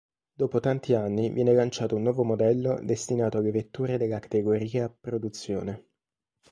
Dopo tanti anni viene lanciato un nuovo modello destinato alle vetture della categoria produzione.